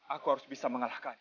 aku harus bisa mengalahkannya